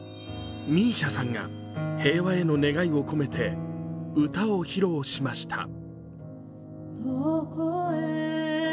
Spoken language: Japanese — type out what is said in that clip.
ＭＩＳＩＡさんが平和への願いを込めて歌を披露しました。